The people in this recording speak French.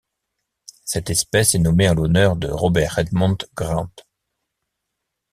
Cette espèce est nommée en l'honneur de Robert Edmond Grant.